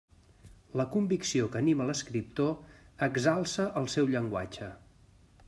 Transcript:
La convicció que anima l'escriptor exalça el seu llenguatge.